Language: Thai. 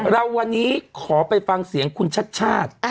เราวันนี้ขอไปฟังเสียงคุณชัดชาติ